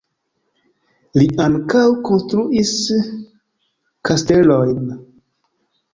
Li ankaŭ konstruis kastelojn.